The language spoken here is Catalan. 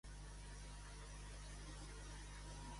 El de Glòries és el tram de justícia social?